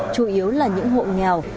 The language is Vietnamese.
chủ yếu là những hộ nghèo